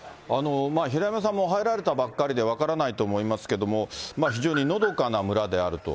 平山さんも入られたばっかりで分からないと思いますけれども、非常にのどかな村であると。